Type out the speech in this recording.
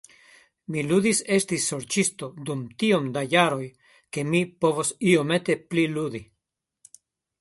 Mi ludis esti Sorĉisto dum tiom da jaroj ke mi povos iomete pli ludi.